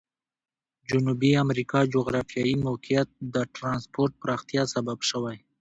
جنوبي امریکا جغرافیوي موقعیت د ترانسپورت پراختیا سبب شوی.